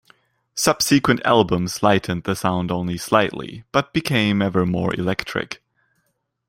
Subsequent albums lightened the sound only slightly but became ever more electric.